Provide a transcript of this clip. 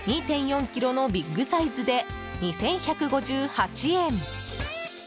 ２．４ｋｇのビッグサイズで２１５８円。